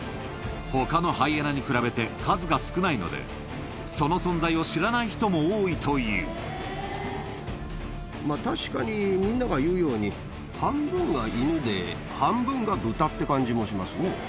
ほかのハイエナに比べて数が少ないので、その存在を知らない人も確かにみんなが言うように、半分がイヌで、半分がブタって感じもしますね。